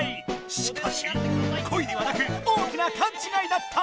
しかしこいではなく大きなかんちがいだった！